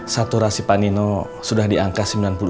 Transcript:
saturasi panino sudah di angka sembilan puluh delapan